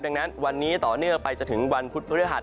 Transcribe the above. ดังนั้นวันนี้ต่อเนื่องไปจนถึงวันพุธพฤหัส